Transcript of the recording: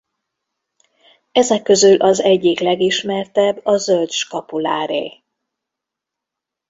Ezek közül az egyik legismertebb a zöld skapuláré.